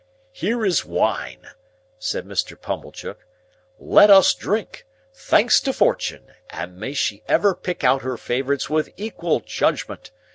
"Here is wine," said Mr. Pumblechook. "Let us drink, Thanks to Fortune, and may she ever pick out her favourites with equal judgment!